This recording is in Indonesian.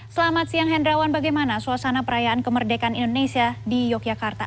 selamat siang hendrawan bagaimana suasana perayaan kemerdekaan indonesia di yogyakarta